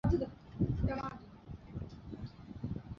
এ পৌরসভার প্রশাসনিক কার্যক্রম মঠবাড়িয়া থানার আওতাধীন।